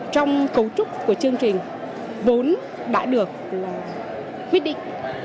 trong cấu trúc của chương trình vốn đã được quyết định